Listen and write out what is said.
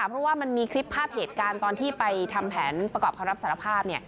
เพราะว่ามันมีคลิปภาพเหตุการณ์ตอนที่ไปทำแผนประกอบคำรับสารภาพ